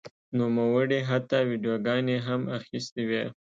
نوموړي حتی ویډیوګانې هم اخیستې وې.